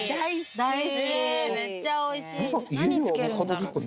大好きめっちゃおいしい。